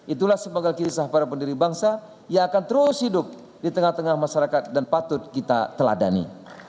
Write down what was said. itulah sepenggal kisah para pendiri bangsa yang akan terus hidup di tengah tengah masyarakat dan patut kita teladani